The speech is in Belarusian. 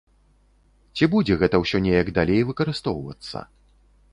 Ці будзе гэта ўсё неяк далей выкарыстоўвацца?